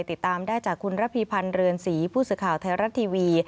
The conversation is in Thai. ติดตามได้จากคุณระพีพันธ์เรือนศรีผู้สื่อข่าวไทยรัฐทีวี